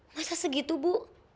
masa segitu bu